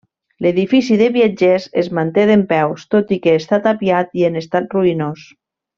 L'edifici de viatgers es manté dempeus, tot i que està tapiat i en estat ruïnós.